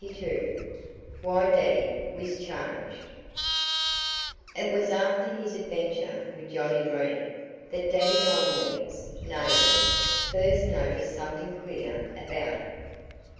XXII WHY DADDY WAS CHANGED IT was after his adventure with Johnnie Green that Daddy Longlegs' neighbors first noticed something queer about him.